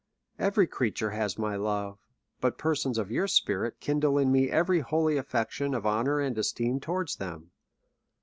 Every creature has my love ; but persons of your spirit kindle in me every holy affection of honour and esteem towards them.